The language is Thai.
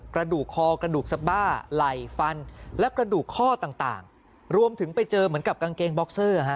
กระดูกคอกระดูกสบ้าไหล่ฟันและกระดูกข้อต่างรวมถึงไปเจอเหมือนกับกางเกงบ็อกเซอร์ฮะ